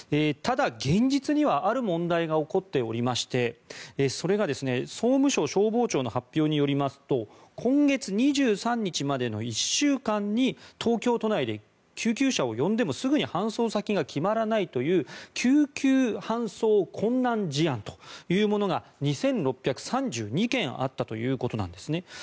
ただ、現実にはある問題が起こっておりましてそれが総務省消防庁の発表によりますと今月２３日までの１週間に東京都内で救急車を呼んでもすぐに搬送先が決まらないという救急搬送困難事案というものが２６３２件あったということなんですね。